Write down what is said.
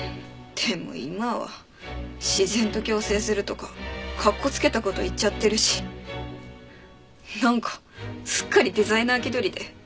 でも今は自然と共生するとかかっこつけた事言っちゃってるしなんかすっかりデザイナー気取りで。